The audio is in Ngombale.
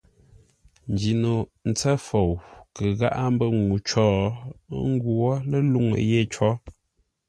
Njino ntsə́ fou kə gháʼa mbə́ ŋuu cǒ, ə́ ngwǒ ləluŋú yé có.